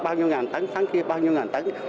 bao nhiêu ngàn tháng tháng kia bao nhiêu ngàn tháng